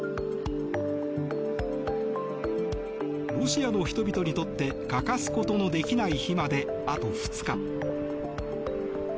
ロシアの人々にとって欠かすことのできない日まであと２日。